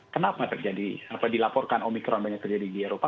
kenapa terjadi apa dilaporkan omikron banyak terjadi di eropa